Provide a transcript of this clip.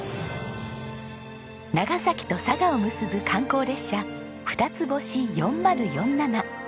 長崎と佐賀を結ぶ観光列車ふたつ星４０４７。